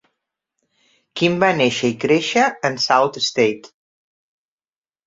Kim va néixer i créixer en Sault Ste.